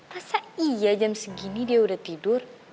rasa iya jam segini dia udah tidur